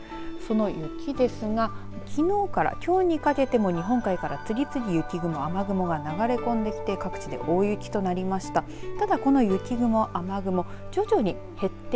その雪ですがきのうからきょうにかけて日本海から次々、雪雲、雨雲は流れ込んできて各地で大雪となりました。